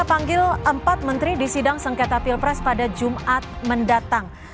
kita panggil empat menteri di sidang sengketa pilpres pada jumat mendatang